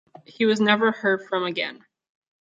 He was never heard from again.